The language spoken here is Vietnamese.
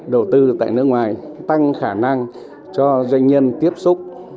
đầu tư tại nước ngoài tăng khả năng cho doanh nhân tiếp xúc